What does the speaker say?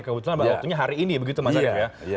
kebetulan waktunya hari ini ya begitu mas arief ya